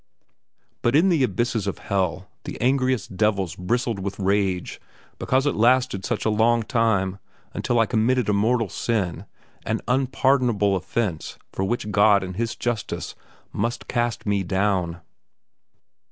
But in the abysses of hell the angriest devils bristled with range because it lasted such a long time until I committed a mortal sin, an unpardonable offence for which God in His justice must cast me down....